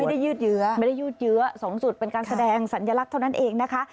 ไม่ได้ยืดเยอะ๒สุดเป็นการแสดงสัญลักษณ์เท่านั้นเองนะคะ